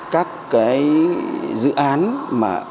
các cái dự án mà